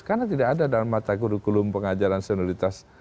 karena tidak ada dalam matagurukulum pengajaran sionalitas